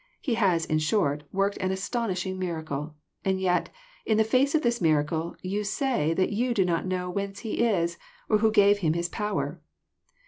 He has, in short, worked an astonishing miracle; i and yet, in the face of this miracle, yon say that you do not know whence He is, or who gave Him his power.'